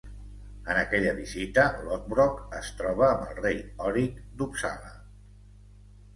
En aquella visita, Lothbrok es troba amb el rei Horik d'Uppsala.